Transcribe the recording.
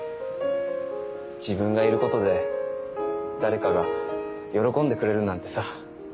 自分がいることで誰かが喜んでくれるなんてさ。